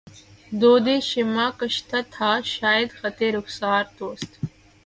دودِ شمعِ کشتہ تھا شاید خطِ رخسارِ دوست